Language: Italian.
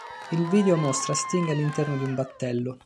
Il video mostra Sting all'interno di un battello.